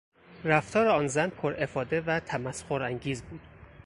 رفتار آن زن پر افاده و تمسخر انگیز بود.